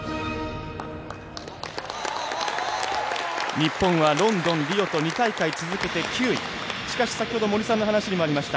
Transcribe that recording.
日本は、ロンドン、リオと２大会続けて９位、しかし先ほど森さんの話にもありました。